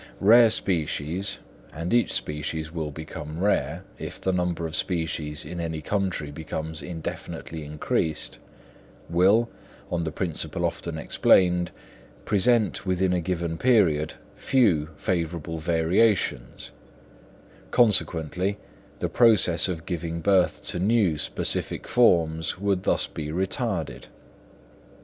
Rare species, and each species will become rare if the number of species in any country becomes indefinitely increased, will, on the principal often explained, present within a given period few favourable variations; consequently, the process of giving birth to new specific forms would thus be retarded.